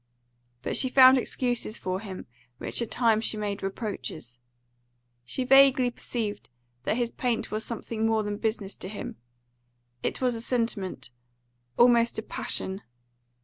But she found excuses for him, which at times she made reproaches. She vaguely perceived that his paint was something more than business to him; it was a sentiment, almost a passion.